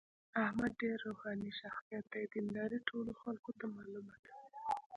احمد ډېر روښاني شخصیت دی. دینداري ټولو خلکو ته معلومه ده.